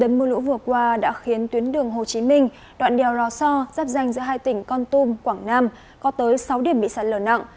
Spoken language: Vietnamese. mưa lũ vừa qua đã khiến tuyến đường hồ chí minh đoạn đèo lò so giáp danh giữa hai tỉnh con tum quảng nam có tới sáu điểm bị sạt lở nặng